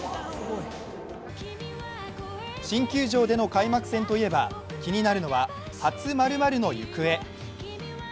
新球場での開幕戦といえば気になるのは初○○の行方。